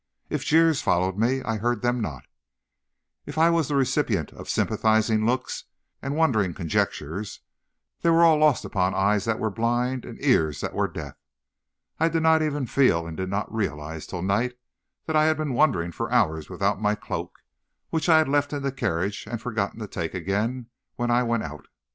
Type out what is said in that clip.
If jeers followed me, I heard them not; if I was the recipient of sympathizing looks and wondering conjectures, they were all lost upon eyes that were blind and ears that were deaf. I did not even feel; and did not realize till night that I had been wandering for hours without my cloak, which I had left in the carriage and forgotten to take again when I went out.